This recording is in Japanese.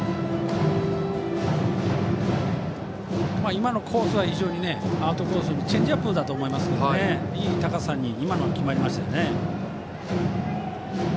今のコースはアウトコースのチェンジアップだと思いますけどいい高さに決まりましたよね。